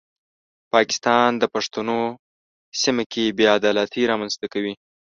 پاکستان د پښتنو سیمه کې بې عدالتي رامنځته کوي.